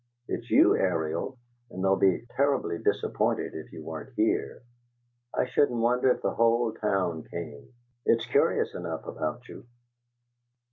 It's you, Ariel, and they'd be terribly disappointed if you weren't here. I shouldn't wonder if the whole town came; it's curious enough about you!"